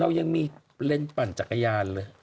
แล้วยังมีเล่นปั่นจักรยานเลย